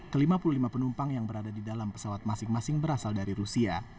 kelima puluh lima penumpang yang berada di dalam pesawat masing masing berasal dari rusia